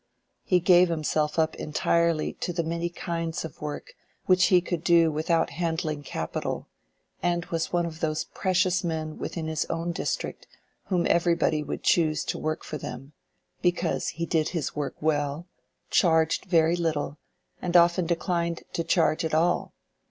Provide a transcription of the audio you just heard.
He gave himself up entirely to the many kinds of work which he could do without handling capital, and was one of those precious men within his own district whom everybody would choose to work for them, because he did his work well, charged very little, and often declined to charge at all.